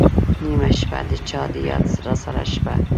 نېمه شپه ، د چا د یاد راسره شپه